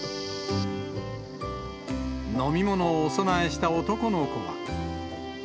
飲み物をお供えした男の子は。